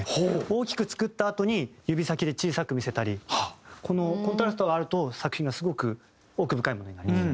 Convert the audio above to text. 大きく作ったあとに指先で小さく見せたりこのコントラストがあると作品がすごく奥深いものになりますね。